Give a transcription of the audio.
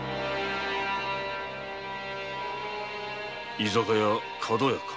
「居酒屋かどや」か。